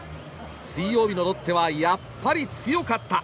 水曜日のロッテはやっぱり強かった。